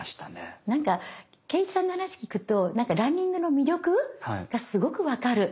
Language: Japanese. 何か敬一さんの話聞くとランニングの魅力がすごく分かる。